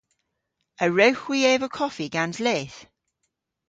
A wrewgh hwi eva koffi gans leth?